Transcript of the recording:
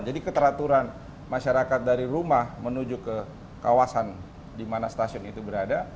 keteraturan masyarakat dari rumah menuju ke kawasan di mana stasiun itu berada